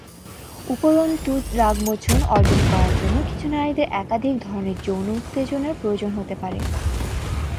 উপরন্তু, রাগমোচন অর্জন করার জন্য কিছু নারীদের একাধিক ধরনের যৌন উত্তেজনার প্রয়োজন হতে পারে।